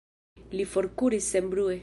Li forkuris senbrue.